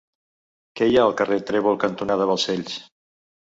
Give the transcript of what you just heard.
Què hi ha al carrer Trèvol cantonada Balcells?